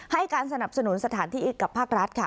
ให้การสนับสนุนสถานที่กับภาครัฐค่ะ